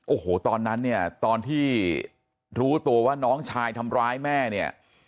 โอ้โหตอนนั้นเนี่ยตอนที่รู้ตัวว่าน้องชายทำร้ายแม่เนี่ย